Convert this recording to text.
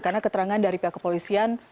karena keterangan dari pihak kepolisian